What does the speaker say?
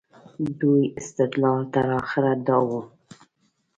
دوی استدلال تر اخره دا و.